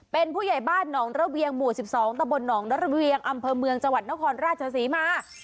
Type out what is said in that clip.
เป็นผู้ใหญ่บ้านหนองระเวียงหมู่๑๒ตะบลหนองระเวียงอำเภอเมืองจังหวัดนครราชศรีมา